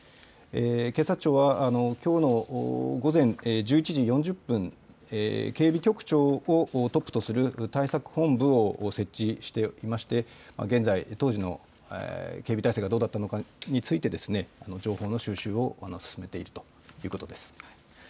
警察庁はきょうの午前１１時４０分、警備局長をトップとする対策本部を設置していまして、現在、当時の警備体制がどうだったのかについて、情報の収集を進めているということです。